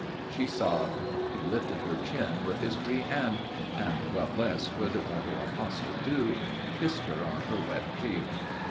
She sobbed; he lifted her chin with his free hand and what less could mortal apostle do? he kissed her on her wet cheek.